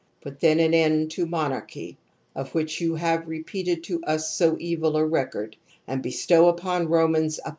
Put then an end to monarchy, of which you have repeated to us so evil a record; and bestow 541 ia = CAP.